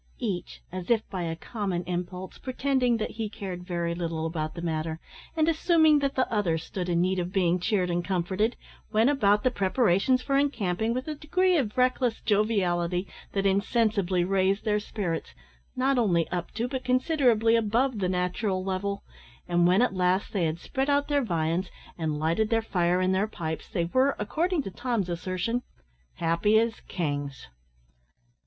Each, as if by a common impulse, pretending that he cared very little about the matter, and assuming that the other stood in need of being cheered and comforted, went about the preparations for encamping with a degree of reckless joviality that insensibly raised their spirits, not only up to but considerably above the natural level; and when at last they had spread out their viands, and lighted their fire and their pipes, they were, according to Tom's assertion, "happy as kings."